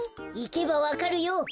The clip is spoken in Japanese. いけばわかるよ！